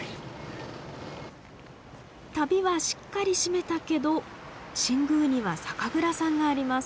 旅はしっかり締めたけど新宮には酒蔵さんがあります。